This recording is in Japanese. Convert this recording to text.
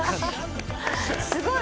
すごい。